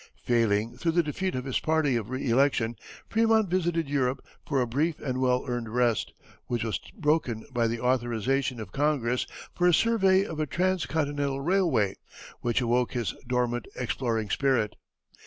Failing, through the defeat of his party, of re election, Frémont visited Europe for a brief and well earned rest, which was broken by the authorization of Congress for a survey of a trans continental railway, which awoke his dormant exploring spirit.